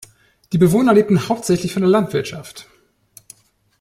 Die Bewohner lebten hauptsächlich von der Landwirtschaft.